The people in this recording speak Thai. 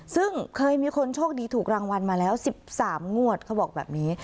ซึ่งเคยมีคนโชคดีถูกรางวัลมาแล้ว๑๓งวดเขาบอกแบบนี้